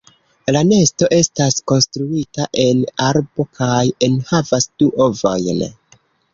La nesto estas konstruita en arbo, kaj enhavas du ovojn.